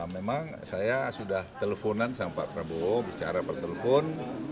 memang saya sudah teleponan sama pak prabowo bicara pertelpon